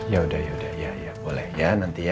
ya udah ya udah ya boleh ya nanti ya